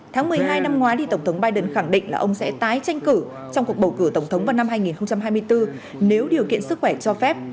tháng một mươi hai năm ngoái tổng thống biden khẳng định là ông sẽ tái tranh cử trong cuộc bầu cử tổng thống vào năm hai nghìn hai mươi bốn nếu điều kiện sức khỏe cho phép